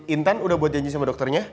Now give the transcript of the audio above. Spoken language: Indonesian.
intan udah buat janji sama dokternya